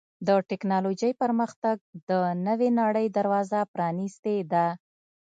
د ټکنالوجۍ پرمختګ د نوې نړۍ دروازه پرانستې ده.